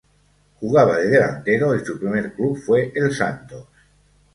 Jugaba de delantero y su primer club fue el Santos.